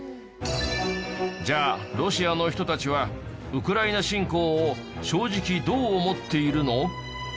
じゃあロシアの人たちはウクライナ侵攻を正直どう思っているの？